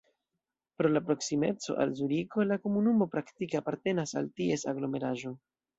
Pro la proksimeco al Zuriko, la komunumo praktike apartenas al ties aglomeraĵo.